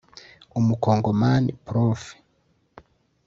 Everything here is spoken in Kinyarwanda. Umukongomani Prof